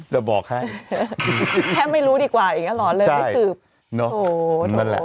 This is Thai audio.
จะบอกให้แค่ไม่รู้ดีกว่าอีกแล้วหรอใช่เริ่มได้สืบโหนั่นแหละ